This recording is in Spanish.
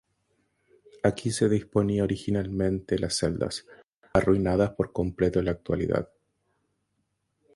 Aquí se disponía originalmente las celdas, arruinadas por completo en la actualidad.